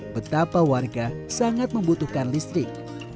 betapa warga sangat membutuhkan listrik